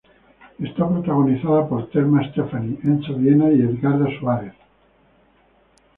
Es protagonizada por Thelma Stefani, Enzo Viena y Edgardo Suárez.